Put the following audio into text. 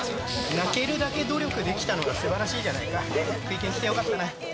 泣けるだけ努力できたのがすばらしいじゃないか来てよかったな